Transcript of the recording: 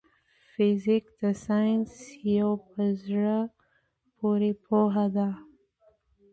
فزيک د ساينس يو په زړه پوري پوهه ده.